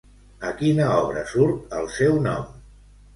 A quina obra surt el seu nom?